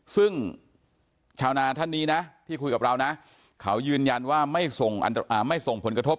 ซึ่งชาวนาท่านที่คุยกับเราเขายืนยันไม่ส่งผลกระทบเกิดอันตราย